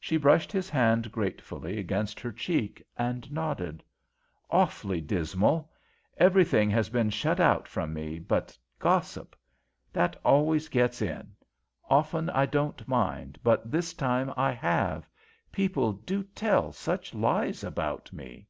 She brushed his hand gratefully against her cheek and nodded. "Awfully dismal. Everything has been shut out from me but gossip. That always gets in. Often I don't mind, but this time I have. People do tell such lies about me."